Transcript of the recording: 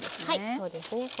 はいそうですね。